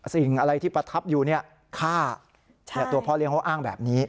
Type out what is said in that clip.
สิ่งอะไรที่ประทับอยู่ฆ่าตัวพ่อเลี้ยเขาอ้างแบบนี้